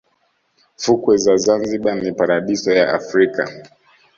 fukwe za zanzibar ni paradiso ya africa